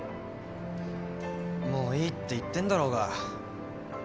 もういいって言ってんだろうが。